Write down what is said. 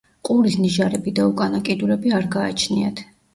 ყურის ნიჟარები და უკანა კიდურები არ გააჩნიათ.